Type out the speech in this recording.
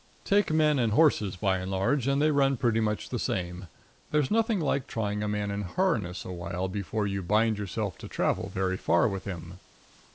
Take men and horses, by and large, and they run pretty much the same. There's nothing like trying a man in harness a while before you bind yourself to travel very far with him.